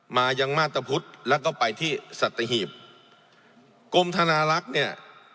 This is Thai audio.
มายังมาตรพุทธแล้วก็ไปที่สัตหีบกรมธนาลักษณ์เนี่ย